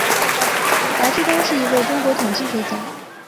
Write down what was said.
白志东是一位中国统计学家。